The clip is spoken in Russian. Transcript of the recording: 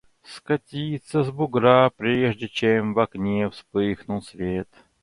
скатиться с бугра, прежде чем в окне вспыхнул свет.